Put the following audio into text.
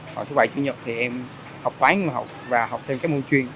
còn thứ bảy chủ nhật thì em học toán và học thêm các môn chuyên